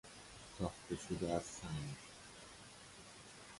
ساخته شده از سنگ